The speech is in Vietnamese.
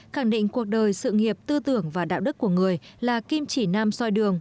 khẳng định cuộc đời sự nghiệp tư tưởng và đạo đức của người là kim chỉ nam soi đường